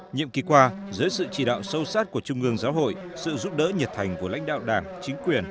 nhiệm kỳ qua dưới sự chỉ đạo sâu sát của trung ương giáo hội sự giúp đỡ nhiệt thành của lãnh đạo đảng chính quyền